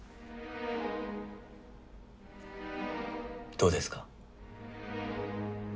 どうですか？